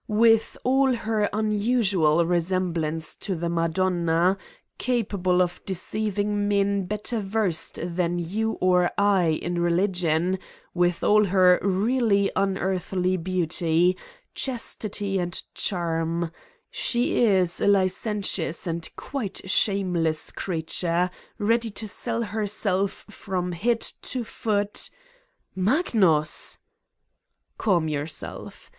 With all her unusual resemblance to the Madonna, capable of deceiving men better versed than you or I in re ligion, with all her really unearthly beauty, chas tity and charm she is a licentious and quite shameless creature, ready to sell herself from head to foot. ..." "Magnus!" "Calm yourself.